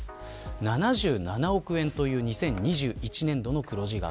７７億円という２０２１年度の黒字額。